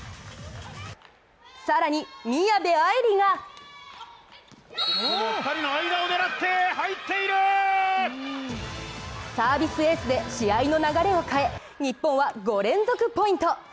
更に宮部藍梨がサービスエースで試合の流れを変え日本は５連続ポイント。